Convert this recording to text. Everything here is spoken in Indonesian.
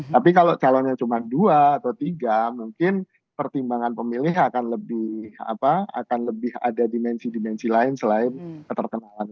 tapi kalau calonnya cuma dua atau tiga mungkin pertimbangan pemilih akan lebih ada dimensi dimensi lain selain keterkenalan